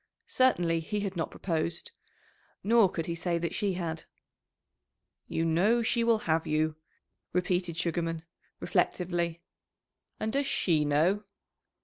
Certainly he had not proposed; nor could he say that she had. "You know she will have you," repeated Sugarman, reflectively. "And does she know?"